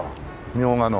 みょうがの。